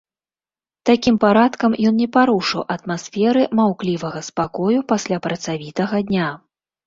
Такім парадкам ён не парушыў атмасферы маўклівага спакою пасля працавітага дня.